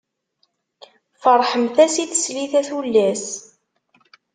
Ferḥemt-as i teslit, a tullas!